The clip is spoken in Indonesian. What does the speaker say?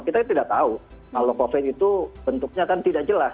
kita tidak tahu kalau covid itu bentuknya kan tidak jelas